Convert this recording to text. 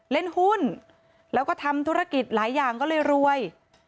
เล่นหุ้นแล้วก็ทำธุรกิจหลายอย่างก็เลยรวย